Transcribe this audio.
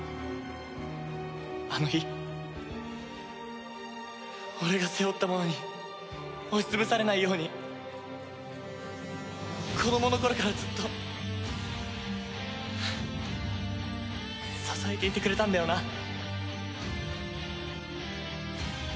あの日俺が背負ったものに押し潰されないように子供の頃からずっと支えていてくれたんだよな。